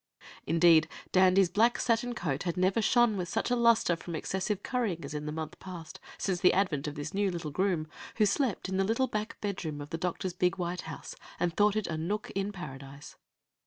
Indeed, Dandy's black satin coat had never shone with such a luster from excessive currying as in the month past, since the advent of this new little groom, who slept in the little back bedroom of the doctor's big white house, and thought it a nook in paradise.